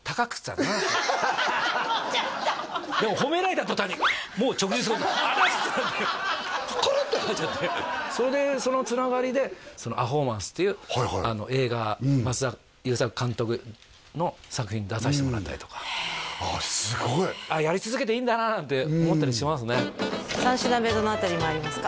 嬉しくて初め兄貴が来るとかなめててでもコロッと変わっちゃってそれでそのつながりで「ア・ホーマンス」っていう映画松田優作監督の作品に出させてもらったりとかすごいやり続けていいんだななんて思ったりしますね三品目どの辺りまいりますか？